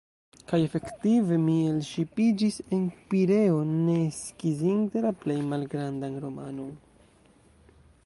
Kaj efektive, mi elŝipiĝis en Pireo, ne skizinte la plej malgrandan romanon.